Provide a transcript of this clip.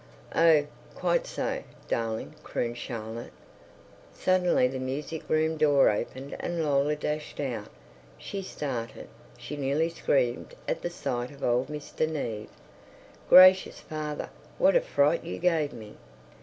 "Oh, quite so, darling," crooned Charlotte. Suddenly the music room door opened and Lola dashed out. She started, she nearly screamed, at the sight of old Mr. Neave. "Gracious, father! What a fright you gave me!